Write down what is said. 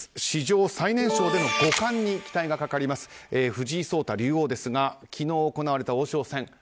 史上最年少での五冠に期待がかかります藤井聡太竜王ですが昨日、行われた王将戦。